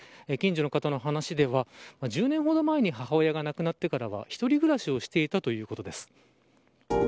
近所の方の話では、１０年ほど前に母親が亡くなってからは一人暮らしをしていたということです。